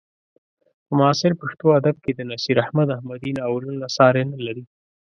په معاصر پښتو ادب کې د نصیر احمد احمدي ناولونه ساری نه لري.